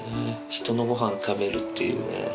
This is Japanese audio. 人のごはん食べるっていうね。